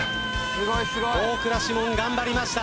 大倉士門頑張りました。